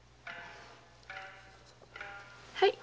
はい。